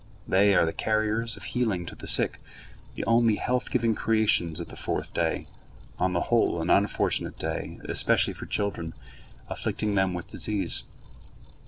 They are the carriers of healing to the sick, the only health giving creations of the fourth day, on the whole an unfortunate day, especially for children, afflicting them with disease.